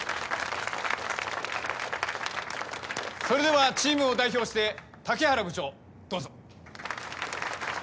・それではチームを代表して竹原部長どうぞ。